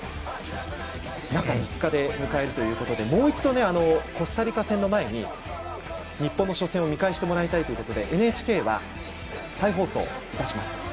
中３日で迎えるということでコスタリカ戦の前に日本の初戦を見返してもらいたいということでＮＨＫは再放送いたします。